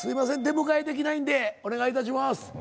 出迎えできないんでお願いいたします。